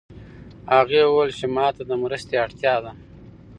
هغې وویل چې ما ته د مرستې اړتیا ده